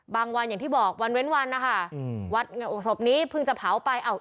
บางวันอย่างที่บอกวันเว้นวันนะคะอืมวัดสบนี้เพิ่งจะเผาไปอ้าว